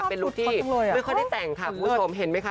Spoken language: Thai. เป็นลุคที่ไม่ค่อยได้แต่งค่ะคุณผู้ชมเห็นไหมคะ